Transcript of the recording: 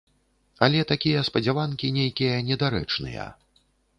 Але такія спадзяванкі нейкія недарэчныя.